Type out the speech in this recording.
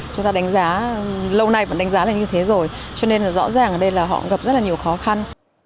chúng ta đánh giá lâu nay bạn đánh giá là như thế rồi cho nên là rõ ràng ở đây là họ gặp rất là nhiều khó khăn